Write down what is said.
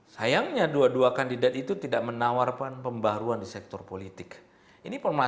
sayangnya dua dua kandidat itu tidak menawarkan pembaruan di sektor politik ini pemelasan yang paling akut